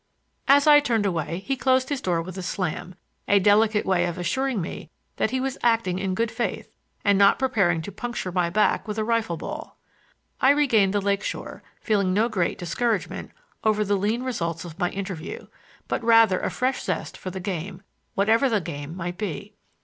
As I turned away he closed his door with a slam,—a delicate way of assuring me that he was acting in good faith, and not preparing to puncture my back with a rifle ball. I regained the lake shore, feeling no great discouragement over the lean results of my interview, but rather a fresh zest for the game, whatever the game might be.